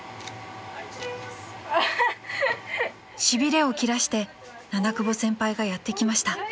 ［しびれを切らして七久保先輩がやって来ました］